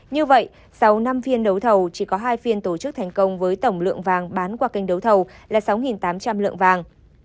như vậy sau năm phiên đấu thầu chỉ có hai phiên tổ chức thành công với tổng lượng vàng bán qua kênh đấu thầu là sáu tám trăm linh lượng vàng